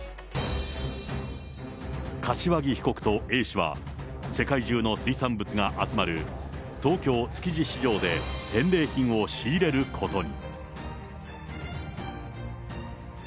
柏木被告とＡ氏は、世界中の水産物が集まる東京・築地市場で返礼品を仕入れることに。